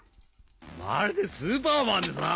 まるでスーパーマンですな。